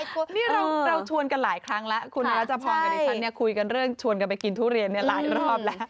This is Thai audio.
นี่เราชวนกันหลายครั้งแล้วคุณรัชพรกับดิฉันเนี่ยคุยกันเรื่องชวนกันไปกินทุเรียนหลายรอบแล้ว